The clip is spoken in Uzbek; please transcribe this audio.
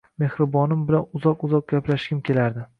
Mehribonim bilan uzoq-uzoq gaplashgim kelardi